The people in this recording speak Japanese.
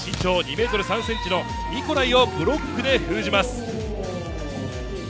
さらに身長２ｍ３ｃｍのニコライをブロックで封じます。